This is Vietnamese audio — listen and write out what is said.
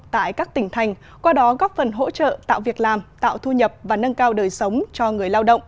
tại các tỉnh thành qua đó góp phần hỗ trợ tạo việc làm tạo thu nhập và nâng cao đời sống cho người lao động